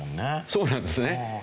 そうなんですね。